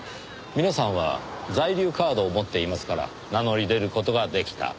皆さんは在留カードを持っていますから名乗り出る事ができた。